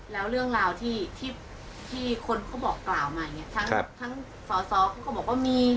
แล้วเรื่องราวที่คนเขาบอกกล่าวมาทั้งศาลเขาก็บอกว่ามี